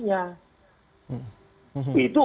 yang diberikan oleh pemerintah